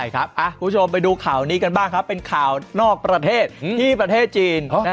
คุณผู้ชมไปดูข่าวนี้กันบ้างครับเป็นข่าวนอกประเทศที่ประเทศจีน